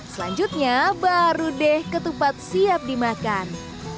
selanjutnya baru deh ketupat siap dimakan